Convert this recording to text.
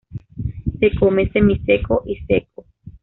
Se come semiseco y seco.